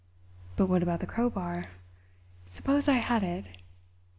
"But what about the crowbar? Suppose I had it!